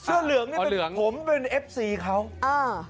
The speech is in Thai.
เอาเหลืองก่อนเอาเหลืองก่อนซื้อเหลืองก่อนผมเป็นเอฟซีเขาอ่า